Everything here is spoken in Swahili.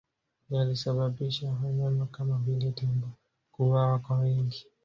Yalisababisha wanyama kama vile tembo kuuawa kwa wingi